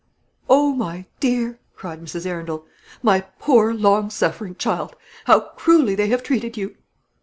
"Oh, my dear," cried Mrs. Arundel, "my poor long suffering child, how cruelly they have treated you!"